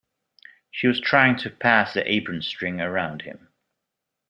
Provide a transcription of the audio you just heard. She was trying to pass the apron string around him.